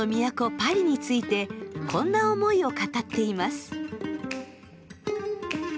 パリについてこんな思いを語っています。